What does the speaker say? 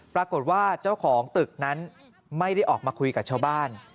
ปรากฏว่าเจ้าของตึกนั้นไม่ได้ออกมาคุยกับชาวบ้าน